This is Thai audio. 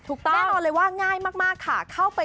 แน่นอนเลยว่าง่ายมากค่ะ